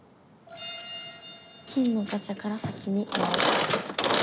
金のガチャから先に回す。